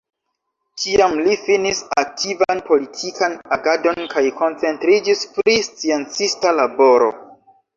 Tiam li finis aktivan politikan agadon kaj koncentriĝis pri sciencista laboro.